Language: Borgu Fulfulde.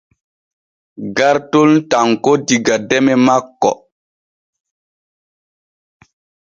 Garton tanko diga deme manko.